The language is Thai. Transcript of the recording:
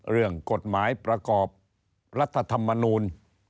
เรื่องกฎหมายประกอบรัฐธรรมนูล